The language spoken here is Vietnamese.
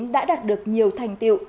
đã đạt được nhiều thành tiệu